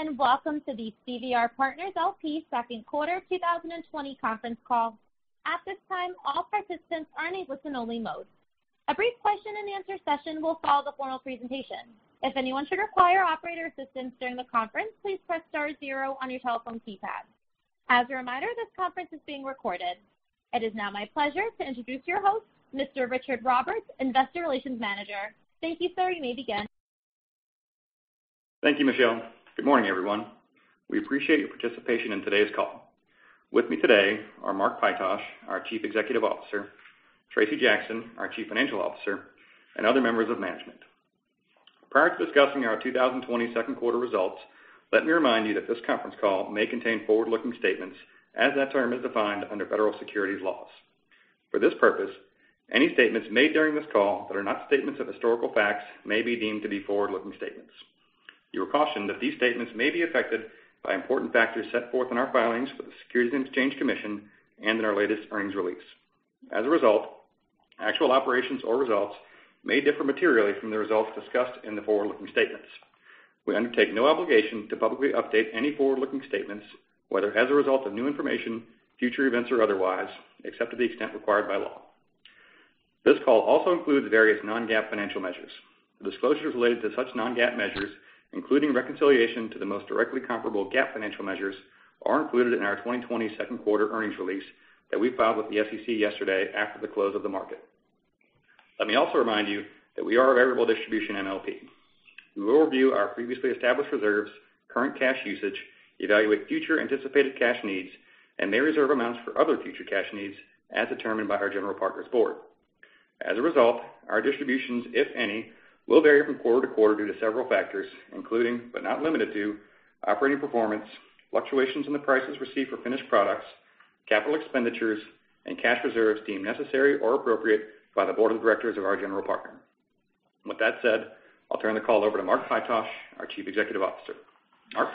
Greetings, and welcome to the CVR Partners, LP second quarter 2020 conference call. At this time, all participants are in listen only mode. A brief question and answer session will follow the formal presentation. If anyone should require operator assistance during the conference, please press star zero on your telephone keypad. As a reminder, this conference is being recorded. It is now my pleasure to introduce your host, Mr. Richard Roberts, Investor Relations Officer. Thank you, sir. You may begin. Thank you, Michelle. Good morning, everyone. We appreciate your participation in today's call. With me today are Mark Pytosh, our Chief Executive Officer, Tracy Jackson, our Chief Financial Officer, and other members of management. Prior to discussing our 2020 second quarter results, let me remind you that this conference call may contain forward-looking statements, as that term is defined under federal securities laws. For this purpose, any statements made during this call that are not statements of historical facts may be deemed to be forward-looking statements. You are cautioned that these statements may be affected by important factors set forth in our filings with the Securities and Exchange Commission and in our latest earnings release. As a result, actual operations or results may differ materially from the results discussed in the forward-looking statements. We undertake no obligation to publicly update any forward-looking statements, whether as a result of new information, future events, or otherwise, except to the extent required by law. This call also includes various non-GAAP financial measures. The disclosures related to such non-GAAP measures, including reconciliation to the most directly comparable GAAP financial measures, are included in our 2020 second quarter earnings release that we filed with the SEC yesterday after the close of the market. Let me also remind you that we are a variable distribution MLP. We will review our previously established reserves, current cash usage, evaluate future anticipated cash needs, and may reserve amounts for other future cash needs as determined by our general partner's board. As a result, our distributions, if any, will vary from quarter-to-quarter due to several factors, including, but not limited to, operating performance, fluctuations in the prices received for finished products, capital expenditures, and cash reserves deemed necessary or appropriate by the Board of Directors of our general partner. With that said, I'll turn the call over to Mark Pytosh, our Chief Executive Officer. Mark?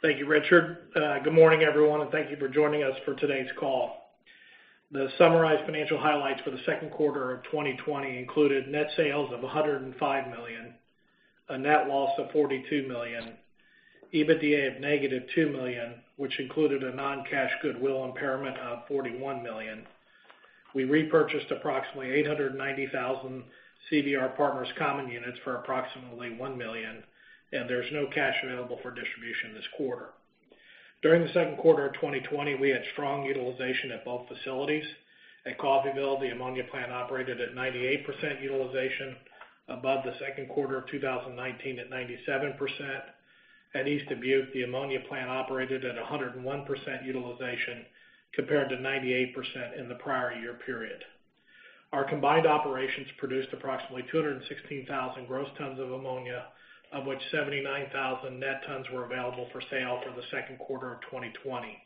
Thank you, Richard. Good morning, everyone, and thank you for joining us for today's call. The summarized financial highlights for the second quarter of 2020 included net sales of $105 million, a net loss of $42 million, EBITDA of $-2 million, which included a non-cash goodwill impairment of $41 million. We repurchased approximately 890,000 CVR Partners common units for approximately $1 million. There's no cash available for distribution this quarter. During the second quarter of 2020, we had strong utilization at both facilities. At Coffeyville, the ammonia plant operated at 98% utilization, above the second quarter of 2019 at 97%. At East Dubuque, the ammonia plant operated at 101% utilization compared to 98% in the prior year period. Our combined operations produced approximately 216,000 gross tons of ammonia, of which 79,000 net tons were available for sale for the second quarter of 2020.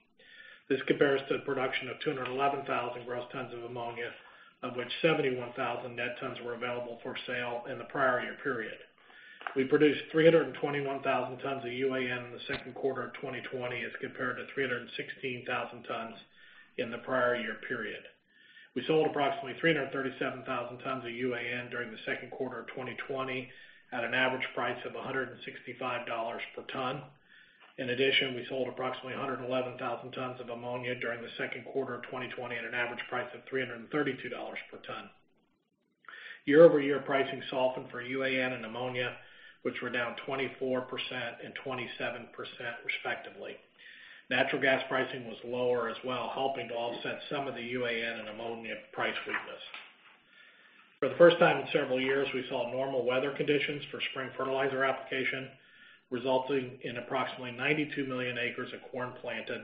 This compares to the production of 211,000 gross tons of ammonia, of which 71,000 net tons were available for sale in the prior year period. We produced 321,000 tons of UAN in the second quarter of 2020 as compared to 316,000 tons in the prior year period. We sold approximately 337,000 tons of UAN during the second quarter of 2020 at an average price of $165 per ton. In addition, we sold approximately 111,000 tons of ammonia during the second quarter of 2020 at an average price of $332 per ton. Year-over-year pricing softened for UAN and ammonia, which were down 24% and 27% respectively. Natural gas pricing was lower as well, helping to offset some of the UAN and ammonia price weakness. For the first time in several years, we saw normal weather conditions for spring fertilizer application, resulting in approximately 92 million acres of corn planted,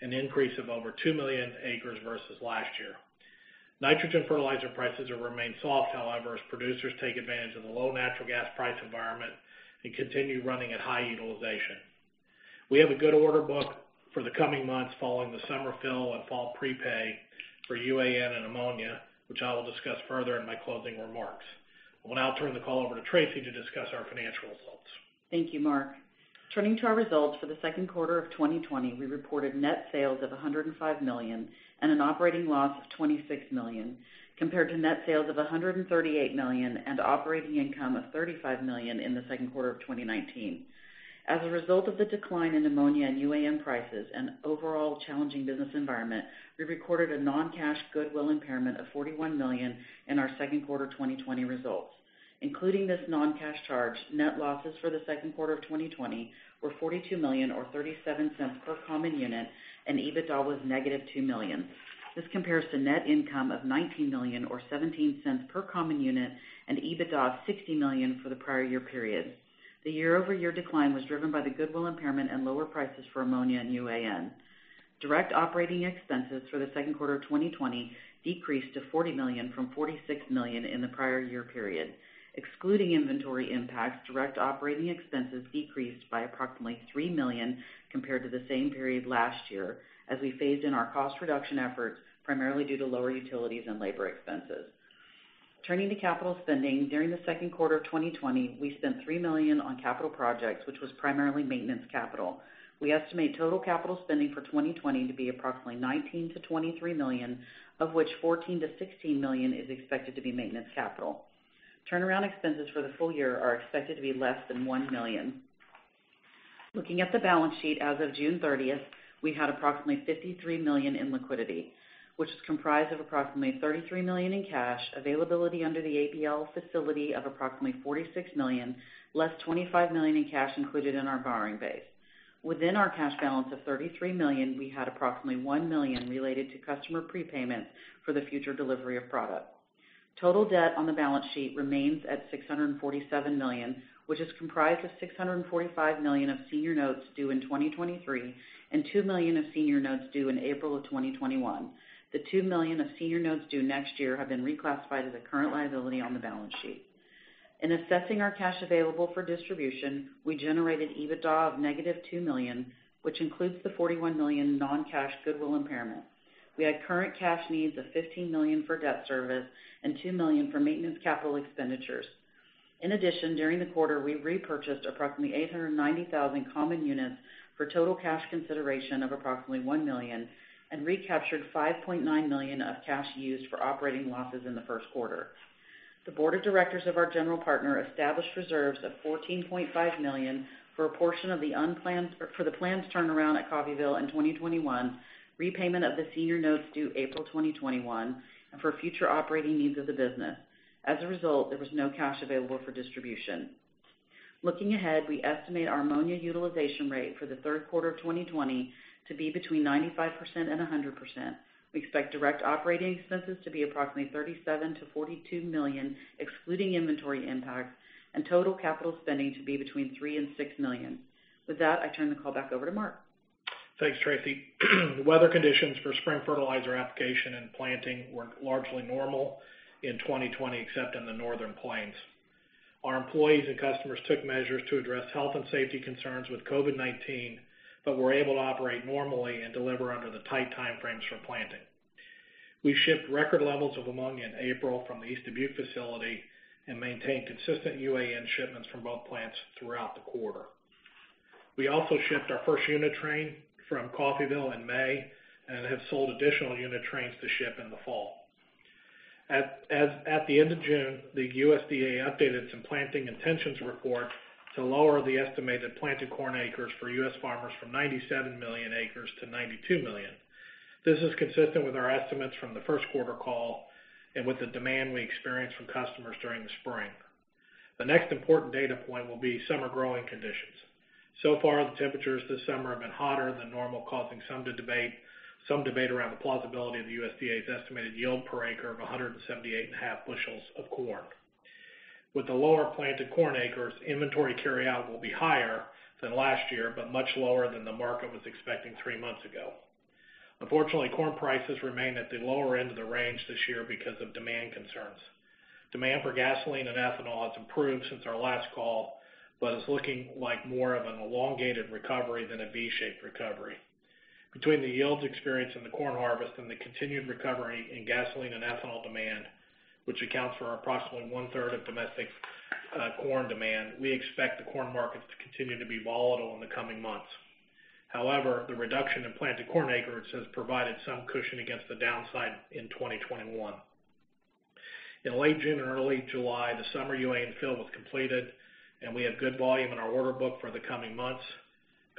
an increase of over 2 million acres versus last year. Nitrogen fertilizer prices have remained soft, however, as producers take advantage of the low natural gas price environment and continue running at high utilization. We have a good order book for the coming months following the summer fill and fall prepay for UAN and ammonia, which I will discuss further in my closing remarks. I will now turn the call over to Tracy to discuss our financial results. Thank you, Mark. Turning to our results for the second quarter of 2020, we reported net sales of $105 million and an operating loss of $26 million, compared to net sales of $138 million and operating income of $35 million in the second quarter of 2019. As a result of the decline in ammonia and UAN prices and overall challenging business environment, we recorded a non-cash goodwill impairment of $41 million in our second quarter 2020 results. Including this non-cash charge, net losses for the second quarter of 2020 were $42 million, or $0.37 per common unit, and EBITDA was $-2 million. This compares to net income of $19 million, or $0.17 per common unit, and EBITDA of $60 million for the prior year period. The year-over-year decline was driven by the goodwill impairment and lower prices for ammonia and UAN. Direct operating expenses for the second quarter of 2020 decreased to $40 million from $46 million in the prior year period. Excluding inventory impacts, direct operating expenses decreased by approximately $3 million compared to the same period last year as we phased in our cost reduction efforts, primarily due to lower utilities and labor expenses. Turning to capital spending, during the second quarter of 2020, we spent $3 million on capital projects, which was primarily maintenance capital. We estimate total capital spending for 2020 to be approximately $19 million-$23 million, of which $14 million-$16 million is expected to be maintenance capital. Turnaround expenses for the full year are expected to be less than $1 million. Looking at the balance sheet as of June 30th, we had approximately $53 million in liquidity, which is comprised of approximately $33 million in cash, availability under the ABL facility of approximately $46 million, less $25 million in cash included in our borrowing base. Within our cash balance of $33 million, we had approximately $1 million related to customer prepayments for the future delivery of product. Total debt on the balance sheet remains at $647 million, which is comprised of $645 million of senior notes due in 2023 and $2 million of senior notes due in April of 2021. The $2 million of senior notes due next year have been reclassified as a current liability on the balance sheet. In assessing our cash available for distribution, we generated EBITDA of $-2 million, which includes the $41 million non-cash goodwill impairment. We had current cash needs of $15 million for debt service and $2 million for maintenance capital expenditures. In addition, during the quarter, we repurchased approximately 890,000 common units for total cash consideration of approximately $1 million and recaptured $5.9 million of cash used for operating losses in the first quarter. The Board of Directors of our general partner established reserves of $14.5 million for the planned turnaround at Coffeyville in 2021, repayment of the senior notes due April 2021, and for future operating needs of the business. As a result, there was no cash available for distribution. Looking ahead, we estimate our ammonia utilization rate for the third quarter of 2020 to be between 95% and 100%. We expect direct operating expenses to be approximately $37 million-$42 million, excluding inventory impacts, and total capital spending to be between $3 million and $6 million. With that, I turn the call back over to Mark. Thanks, Tracy. The weather conditions for spring fertilizer application and planting were largely normal in 2020, except in the northern plains. Our employees and customers took measures to address health and safety concerns with COVID-19, but were able to operate normally and deliver under the tight timeframes for planting. We shipped record levels of ammonia in April from the East Dubuque facility and maintained consistent UAN shipments from both plants throughout the quarter. We also shipped our first unit train from Coffeyville in May and have sold additional unit trains to ship in the fall. At the end of June, the USDA updated some planting intentions report to lower the estimated planted corn acres for U.S. farmers from 97 million acres-92 million acres. This is consistent with our estimates from the first quarter call and with the demand we experienced from customers during the spring. The next important data point will be summer growing conditions. The temperatures this summer have been hotter than normal, causing some debate around the plausibility of the USDA's estimated yield per acre of 178.5 bushels of corn. With the lower planted corn acres, inventory carryout will be higher than last year, but much lower than the market was expecting three months ago. Unfortunately, corn prices remain at the lower end of the range this year because of demand concerns. Demand for gasoline and ethanol has improved since our last call, but it's looking like more of an elongated recovery than a V-shaped recovery. Between the yields experienced in the corn harvest and the continued recovery in gasoline and ethanol demand, which accounts for approximately 1/3 of domestic corn demand, we expect the corn markets to continue to be volatile in the coming months. The reduction in planted corn acreage has provided some cushion against the downside in 2021. In late June and early July, the summer UAN fill was completed, and we have good volume in our order book for the coming months.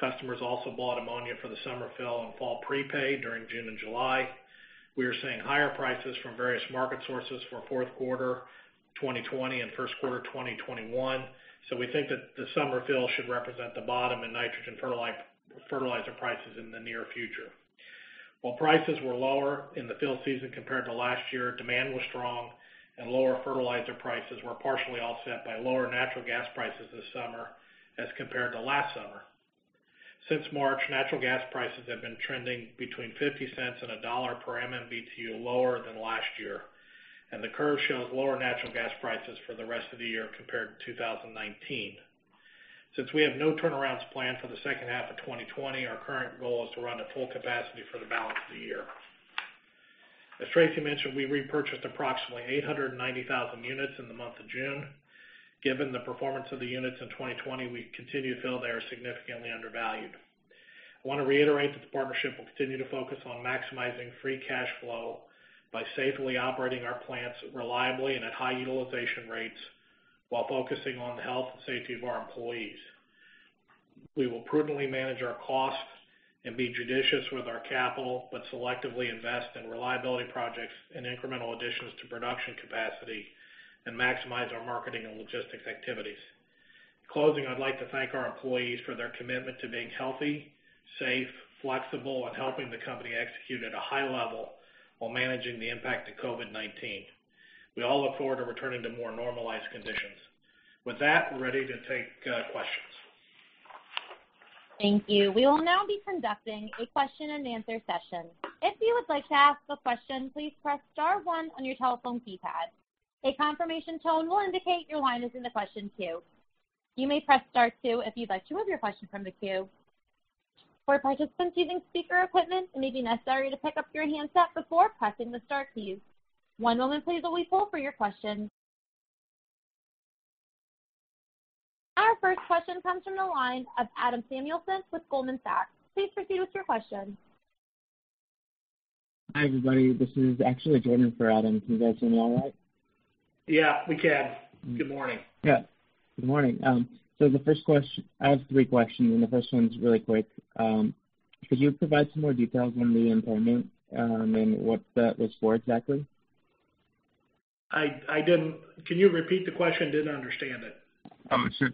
Customers also bought ammonia for the summer fill and fall prepay during June and July. We are seeing higher prices from various market sources for fourth quarter 2020 and first quarter 2021. We think that the summer fill should represent the bottom in nitrogen fertilizer prices in the near future. While prices were lower in the fill season compared to last year, demand was strong, and lower fertilizer prices were partially offset by lower natural gas prices this summer as compared to last summer. Since March, natural gas prices have been trending between $0.50 and $1 per MMBtu lower than last year, and the curve shows lower natural gas prices for the rest of the year compared to 2019. Since we have no turnarounds planned for the second half of 2020, our current goal is to run at full capacity for the balance of the year. As Tracy mentioned, we repurchased approximately 890,000 units in the month of June. Given the performance of the units in 2020, we continue to feel they are significantly undervalued. I want to reiterate that the partnership will continue to focus on maximizing free cash flow by safely operating our plants reliably and at high utilization rates while focusing on the health and safety of our employees. We will prudently manage our costs and be judicious with our capital, but selectively invest in reliability projects and incremental additions to production capacity and maximize our marketing and logistics activities. In closing, I'd like to thank our employees for their commitment to being healthy, safe, flexible, and helping the company execute at a high level while managing the impact of COVID-19. We all look forward to returning to more normalized conditions. With that, we're ready to take questions. Thank you. We will now be conducting a question-and-answer session. If you would like to ask a question, please press star one on your telephone keypad. A confirmation tone will indicate your line is in the question queue. You may press star two if you'd like to remove your question from the queue. For participants using speaker equipment, it may be necessary to pick up your handset before pressing the star keys. One moment please while we poll for your question. Our first question comes from the line of Adam Samuelson with Goldman Sachs. Please proceed with your question Hi, everybody. This is actually Jordan for Adam. Can you guys hear me all right? Yeah, we can. Good morning. Yeah. Good morning. I have three questions. The first one's really quick. Could you provide some more details on the impairment and what that was for exactly? Can you repeat the question? Didn't understand it. Sure.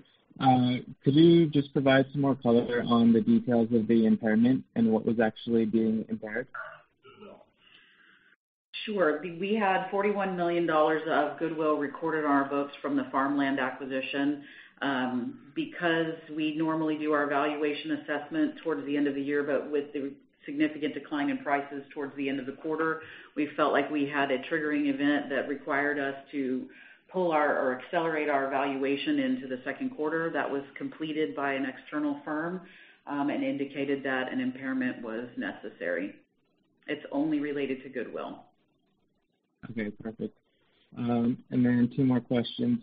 Could you just provide some more color on the details of the impairment and what was actually being impaired? Sure. We had $41 million of goodwill recorded on our books from the farmland acquisition. We normally do our valuation assessment towards the end of the year, but with the significant decline in prices towards the end of the quarter, we felt like we had a triggering event that required us to pull our, or accelerate our valuation into the second quarter that was completed by an external firm, and indicated that an impairment was necessary. It's only related to goodwill. Okay, perfect. Two more questions.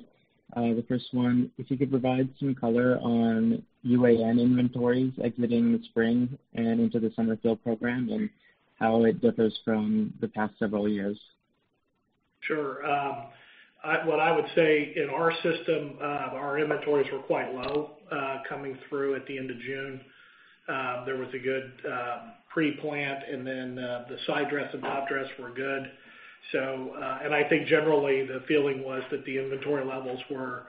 The first one, if you could provide some color on UAN inventories exiting the spring and into the summer fill program, and how it differs from the past several years. Sure. What I would say, in our system, our inventories were quite low coming through at the end of June. There was a good pre-plant and then the side dress and top dress were good. I think generally the feeling was that the inventory levels were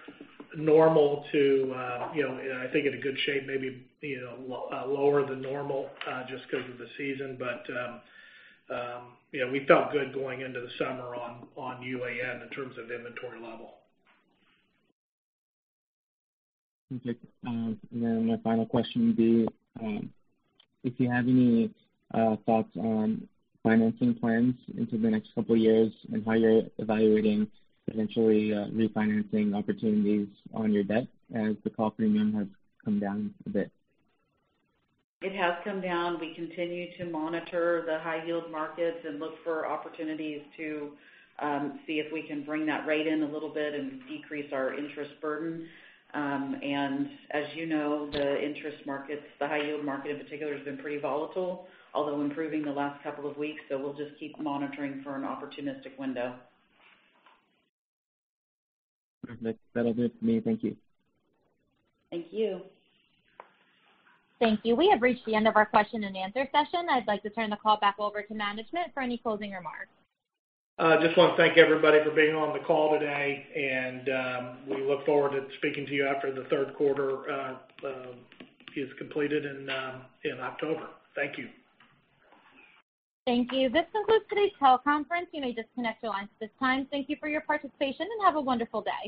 normal to, I think in a good shape, maybe lower than normal, just because of the season. We felt good going into the summer on UAN in terms of inventory level. Okay. My final question would be, if you have any thoughts on financing plans into the next couple of years and how you're evaluating potentially refinancing opportunities on your debt as the call premium has come down a bit? It has come down. We continue to monitor the high yield markets and look for opportunities to see if we can bring that rate in a little bit and decrease our interest burden. As you know, the interest markets, the high yield market in particular, has been pretty volatile, although improving the last couple of weeks. We'll just keep monitoring for an opportunistic window. Perfect. That'll do for me. Thank you. Thank you. Thank you. We have reached the end of our question-and-answer session. I'd like to turn the call back over to management for any closing remarks. Just want to thank everybody for being on the call today. We look forward to speaking to you after the third quarter is completed in October. Thank you. Thank you. This concludes today's teleconference. You may disconnect your lines at this time. Thank you for your participation, and have a wonderful day.